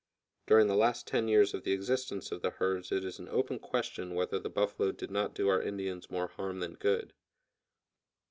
During the last ten years of the existence of the herds it is an open question whether the buffalo did not do our Indians more harm than good.